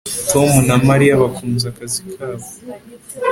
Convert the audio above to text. Tom na Mariya bakunze akazi kabo